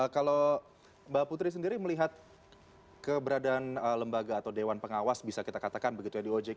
kalau mbak putri sendiri melihat keberadaan lembaga atau dewan pengawas bisa kita katakan begitu ya di ojk